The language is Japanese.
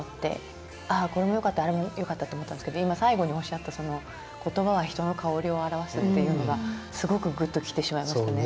ああこれもよかったあれもよかったって思ったんですけど今最後におっしゃったその「言葉は人の香りを表す」っていうのがすごくグッときてしまいましたね。